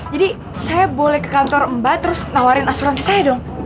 jadi saya boleh ke kantor mbak terus nawarin asuransi saya dong